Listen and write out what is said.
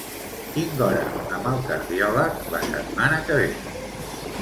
Tinc hora amb el cardiòleg la setmana que ve.